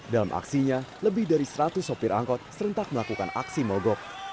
dalam aksinya lebih dari seratus sopir angkot serentak melakukan aksi mogok